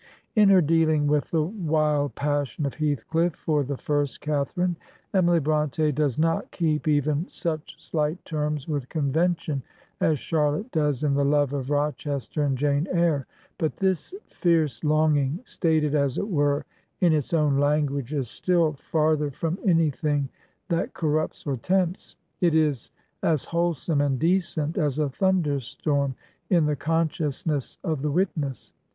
In her dealing with the wild passion of Heathcliff for the first Catharine, Emily Bronte does not keep even such slight terms with convention as Charlotte does in the love of Rochester and Jane Eyre; but this fierce longing, stated as it were in its own language, is still 229 Digitized by VjOOQIC HEROINES OF FICTION farther from anything that corrupts or tempts ; it is as wholesome and decent as a thunder storm, in the con sciousness of the witness.